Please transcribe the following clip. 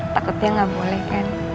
takutnya nggak boleh kan